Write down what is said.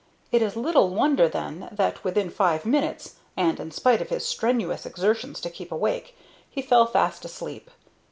It is little wonder then that, within five minutes, and in spite of his strenuous exertions to keep awake, he fell fast asleep.